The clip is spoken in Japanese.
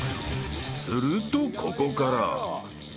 ［するとここから］